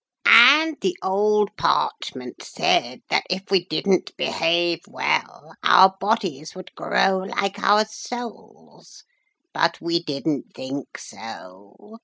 'And the old parchment said that if we didn't behave well our bodies would grow like our souls. But we didn't think so.